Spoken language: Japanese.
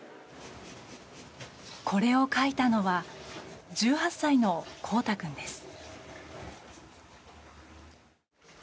これを描いたのは１８歳のこうた君です。